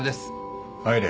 入れ。